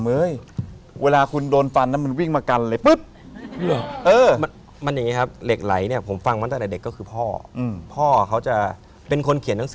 มันมีเรื่องน่าแปลกมากนะจริง